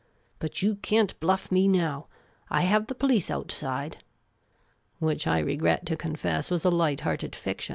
But you can't bluff me now. I have the police outside." Which I regret to confess was a light hearted fiction.